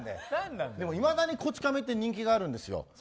でもいまだに「こち亀」って人気があるんですよ。